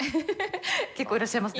結構いらっしゃいますね。